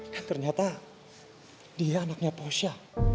nah ternyata dia anaknya posya